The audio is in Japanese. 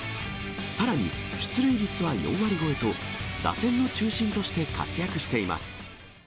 さらに出塁率は４割超えと、打線の中心として活躍しています。